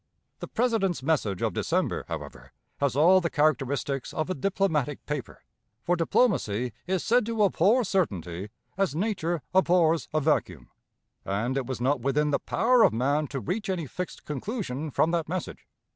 The President's message of December, however, has all the characteristics of a diplomatic paper, for diplomacy is said to abhor certainty as Nature abhors a vacuum; and it was not within the power of man to reach any fixed conclusion from that message.